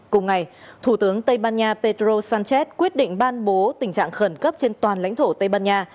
cùng ngày thủ tướng tây ban nha pedro sánchez quyết định ban bố tình trạng khẩn cấp trên toàn lãnh thổ tây ban nha